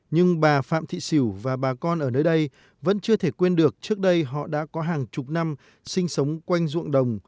nhưng bà phạm thị xỉu và bà con ở nơi đây vẫn chưa thể quên được trước đây họ đã có hàng chục năm sinh sống quanh ruộng đồng